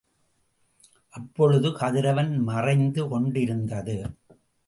அப்பொழுது கதிரவன் மறைந்து கொண்டிருந்தது.